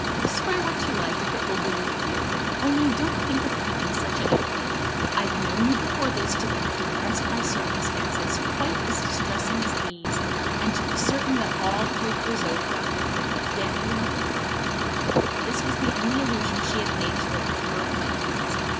"Swear what you like, if it will relieve you, only don't think of keeping such an oath. I've known you before this to be depressed by circumstances quite as distressing as these, and to be certain that all hope was over; but yet you have recovered." This was the only allusion she had yet made to their former acquaintance.